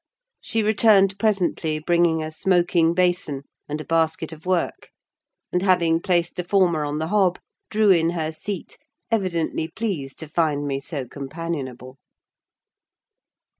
She returned presently, bringing a smoking basin and a basket of work; and, having placed the former on the hob, drew in her seat, evidently pleased to find me so companionable.